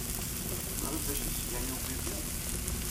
Teẓriḍ d acu i s-gan i ubibi?